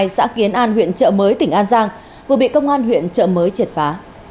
xã kiến an huyện trợ mới tỉnh an giang vừa bị công an huyện trợ mới triệt phá